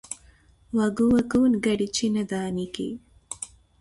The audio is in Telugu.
వగవకు గడచిన దానికి